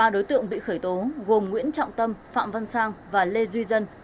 ba đối tượng bị khởi tố gồm nguyễn trọng tâm phạm văn sang và lê duy dân